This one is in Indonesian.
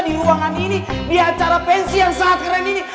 di ruangan ini di acara pensi yang sangat keren ini